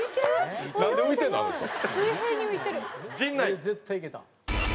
俺絶対いけた。